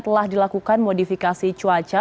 telah dilakukan modifikasi cuaca